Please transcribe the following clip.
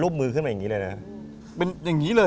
เป็นอย่างนี้เลย